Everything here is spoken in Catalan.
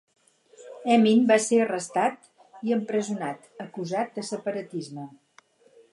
Emin va ser arrestat i empresonat, acusat de separatisme.